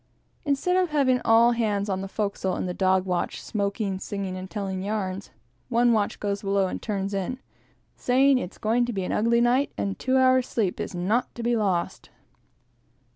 Instead of having all hands on the forecastle in the dog watch, smoking, singing, and telling yarns, one watch goes below and turns in, saying that it's going to be an ugly night, and two hours' sleep is not to be lost.